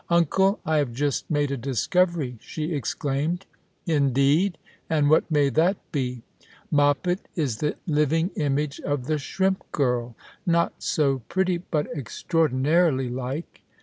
" Uncle, I have just made a discovery," she exclaimed. " Indeed ? And what may that be ?"" Moppet is the living image of the Shrimp Girl — not so pretty, but extraordinarily like."